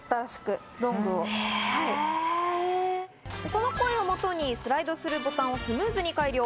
その声をもとに、スライドするボタンをスムーズに改良。